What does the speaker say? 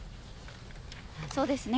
そうですね。